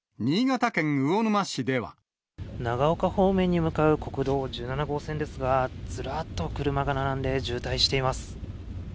長岡方面に向かう国道１７号線ですが、ずらっと車が並んで渋滞しています。